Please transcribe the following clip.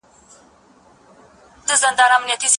ولي هڅاند سړی د با استعداده کس په پرتله ژر بریالی کېږي؟